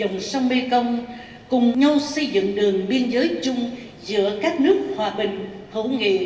mekong cùng nhau xây dựng đường biên giới chung giữa các nước hòa bình hữu nghị